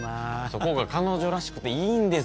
そこが彼女らしくていいんですよ